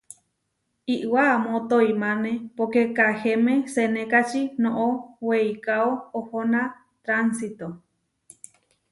Iʼwá amó toimáne poké Kahéme senékači noʼó weikáo ohóna tránsito.